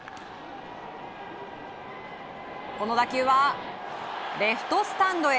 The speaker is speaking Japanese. この打球はレフトスタンドへ。